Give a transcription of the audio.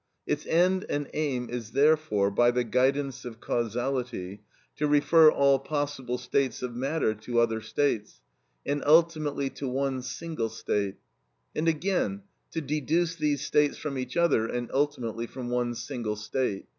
Its end and aim is therefore, by the guidance of causality, to refer all possible states of matter to other states, and ultimately to one single state; and again to deduce these states from each other, and ultimately from one single state.